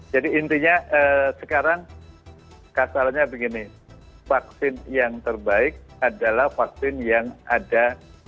jadi intinya sekarang kasarnya begini vaksin yang terbaik adalah vaksin yang ada